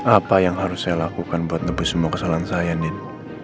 apa yang harus saya lakukan buat tapi semua kesalahan saya nih